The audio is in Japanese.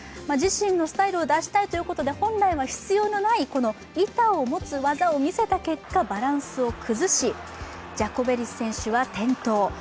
自身のスタイルを出したいということで、本来は必要のない板を持つ技を見せた結果バランスを崩し、ジャコベリス選手は転倒。